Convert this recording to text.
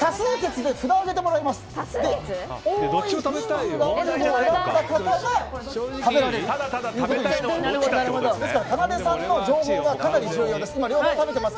ですから、かなでさんの情報がかなり重要です。